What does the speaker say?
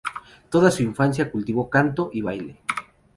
Toda su infancia cultivó canto y baile.